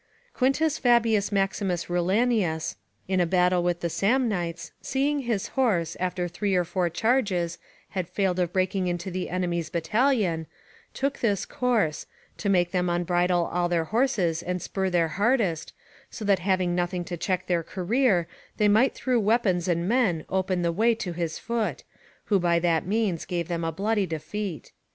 Quintus Fabius Maximus Rullianus, in a battle with the Samnites, seeing his horse, after three or four charges, had failed of breaking into the enemy's battalion, took this course, to make them unbridle all their horses and spur their hardest, so that having nothing to check their career, they might through weapons and men open the way to his foot, who by that means gave them a bloody defeat.